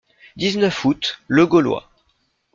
dix-neuf août., Le Gaulois.